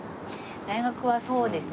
大学はそうですね。